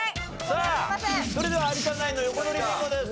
さあそれでは有田ナインの横取りビンゴです。